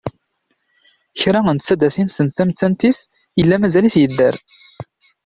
Kra n tsadatin send tamettant-is, yella mazal-it yedder.